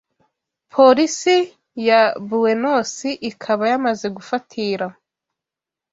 Polisi ya Buwenosi ikaba yamaze gufatira